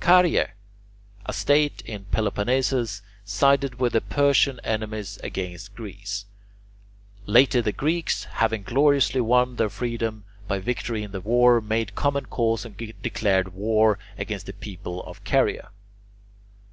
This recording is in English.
Caryae, a state in Peloponnesus, sided with the Persian enemies against Greece; later the Greeks, having gloriously won their freedom by victory in the war, made common cause and declared war against the people of Caryae.